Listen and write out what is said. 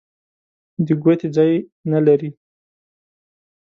د ګوتې ځای نه لري.